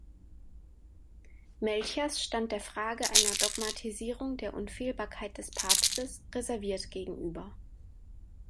Melchers stand der Frage einer Dogmatisierung der Unfehlbarkeit des Papstes reserviert gegenüber.